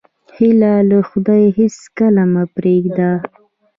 هیله له خدایه هېڅکله مه پرېږده.